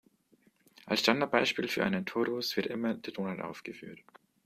Als Standardbeispiel für einen Torus wird immer der Donut aufgeführt.